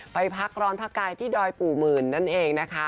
ไปพักร้อนพระกายที่ดอยปู่หมื่นนั่นเองนะคะ